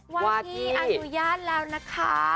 ว่าที่อนุญาตแล้วนะคะ